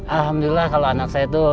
alhamdulillah kalau anak saya itu